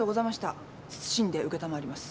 謹んで承ります。